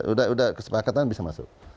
udah udah kesepakatan bisa masuk